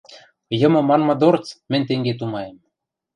Йымы манмы дорц, мӹнь тенге тумаем.